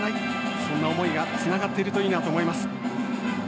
そんな思いがつながっているといいなと思います。